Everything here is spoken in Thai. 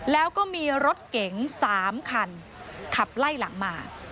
แล้วก็มีรถเก๋ง๓คันขับไล่หลังมา